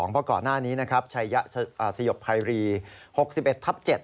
เพราะก่อนหน้านี้ชายสยบไพรี๖๑ทัพ๗